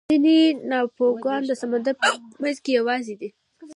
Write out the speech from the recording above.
ځینې ټاپوګان د سمندر په منځ کې یوازې دي.